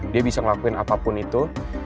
dia bisa ngelakuin apapun itu